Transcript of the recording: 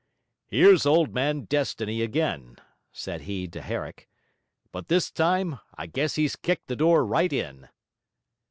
'Here's Old Man Destiny again,' said he to Herrick, 'but this time I guess he's kicked the door right in.'